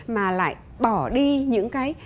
mà lại bỏ đi những cái